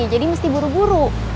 jadi mesti buru buru